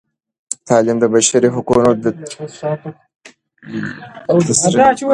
تعلیم د بشري حقونو د ترسیم لپاره مهم دی.